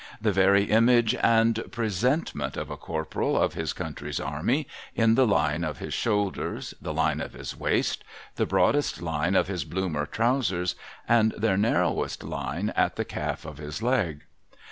The very image and presentment of a Corporal of his country's army, in the line of his shoulders, the line of his waist, the broadest line of his Bloomer trousers, and their narrowest line at the calf of his leg.